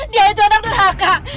dia itu anak durhaka